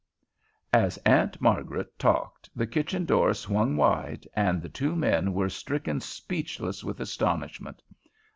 As Aunt Margaret talked, the kitchen door swung wide, and the two men were stricken speechless with astonishment.